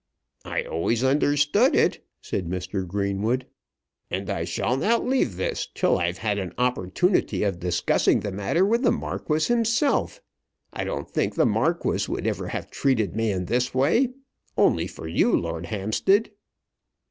"I always understood it," said Mr. Greenwood. "And I shall not leave this till I've had an opportunity of discussing the matter with the Marquis himself. I don't think the Marquis would ever have treated me in this way, only for you, Lord Hampstead."